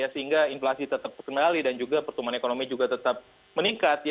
sehingga inflasi tetap terkendali dan juga pertumbuhan ekonomi juga tetap meningkat